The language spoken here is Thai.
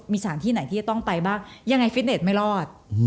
มีสถานที่ไหนที่จะต้องไปบ้างยังไงฟิตเน็ตไม่รอด